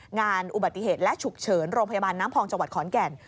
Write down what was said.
งานอุบัติเหตุและฉุกเฉินโรงพยาบาลน้ำพองจังหวัดขอนแก่น